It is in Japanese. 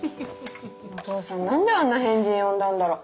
お父さん何であんな変人呼んだんだろう。